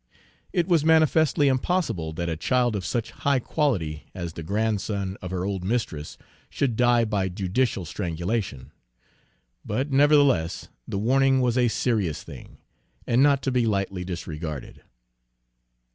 It was manifestly impossible that a child of such high quality as the grandson of her old mistress should die by judicial strangulation; but nevertheless the warning was a serious thing, and not to be lightly disregarded.